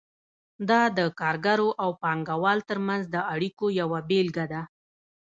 دا د کارګر او پانګه وال ترمنځ د اړیکو یوه بیلګه ده.